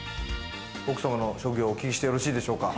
奥様の職業をお聞きしてよろしいでしょうか？